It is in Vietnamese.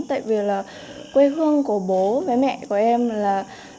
tại vì là quê hương của bố với mẹ của em là